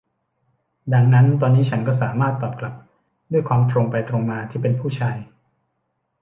ดังนั้นตอนนี้ฉันก็สามารถตอบกลับด้วยความตรงไปตรงมาที่เป็นผู้ชาย